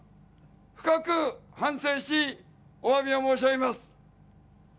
深く反省し、おわびを申し上げます。